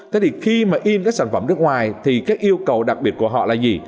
thế thì khi mà in các sản phẩm nước ngoài thì các yêu cầu đặc biệt của họ là gì